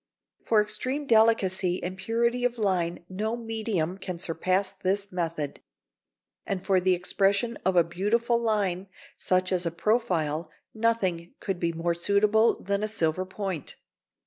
For extreme delicacy and purity of line no medium can surpass this method. And for the expression of a beautiful line, such as a profile, nothing could be more suitable than a silver point.